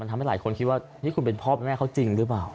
ทำให้หลายคนคิดว่านี่คุณเป็นพ่อเป็นแม่เขาจริงหรือเปล่า